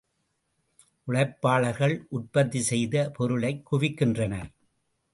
உழைப்பாளர்கள் உற்பத்தி செய்து பொருளைக் குவிக்கின்றனர்.